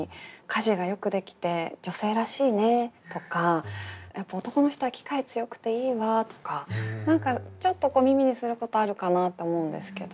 家事がよくできて女性らしいねとかやっぱ男の人は機械強くていいわとか何かちょっと耳にすることあるかなと思うんですけど。